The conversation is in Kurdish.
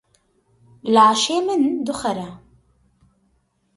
Laşê min dixwere